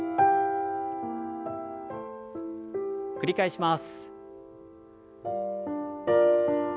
繰り返します。